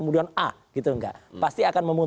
beliau ini orang solo